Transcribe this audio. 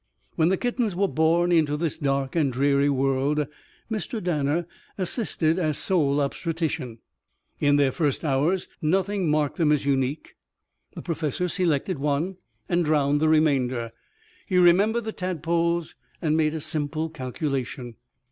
When the kittens were born into this dark and dreary world, Mr. Danner assisted as sole obstetrician. In their first hours nothing marked them as unique. The professor selected one and drowned the remainder. He remembered the tadpoles and made a simple calculation.